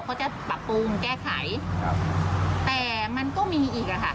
เขาจะปรับปรุงแก้ไขครับแต่มันก็มีอีกอ่ะค่ะ